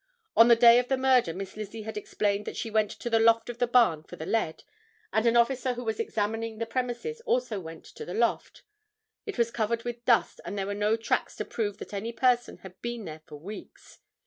On the day of the murder Miss Lizzie had explained that she went to the loft of the barn for the lead, and an officer who was examining the premises also went to the loft. It was covered with dust and there were no tracks to prove that any person had been there for weeks.